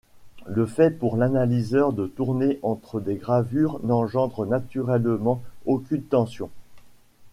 Le fait pour l'analyseur de tourner entre des gravures n'engendre naturellement aucune tension.